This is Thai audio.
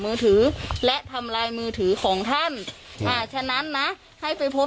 มือถือและทำลายมือถือของท่านอ่าฉะนั้นนะให้ไปพบ